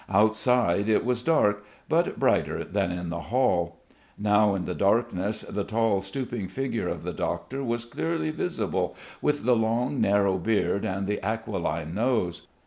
Outside it was dark, but brighter than in the hall. Now in the darkness the tall stooping figure of the doctor was clearly visible with the long, narrow beard and the aquiline nose.